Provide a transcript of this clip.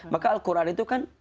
maka al quran itu kan